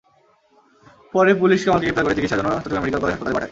পরে পুলিশ কামালকে গ্রেপ্তার করে চিকিৎসার জন্য চট্টগ্রাম মেডিকেল কলেজ হাসপাতালে পাঠায়।